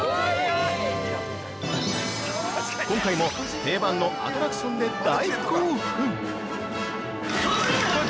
◆今回も、定番のアトラクションで大興奮！